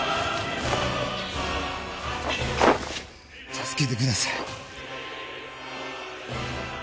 助けてください。